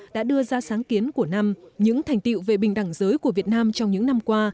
đã đưa ra sáng kiến của năm những thành tiệu về bình đẳng giới của việt nam trong những năm qua